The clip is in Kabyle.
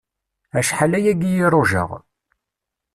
Acḥal ayagi i rujaɣ.